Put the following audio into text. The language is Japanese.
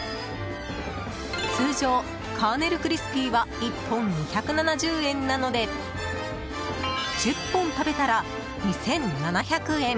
通常、カーネルクリスピーは１本２７０円なので１０本食べたら２７００円。